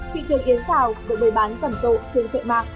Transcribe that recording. thị trường yến xào được bày bán chẩm tộ trên chợ mạc